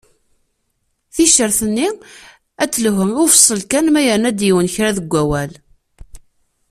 Ticcert-nni ad telhu i ufeṣṣel kan ma yerna-d yiwen kra deg awal.